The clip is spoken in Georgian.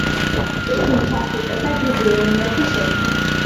იგი მხარს უჭერდა დიდი რუმინეთის შექმნას.